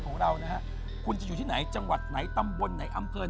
ของเรานะฮะคุณจะอยู่ที่ไหนจังหวัดไหนตำบลไหนอำเภอ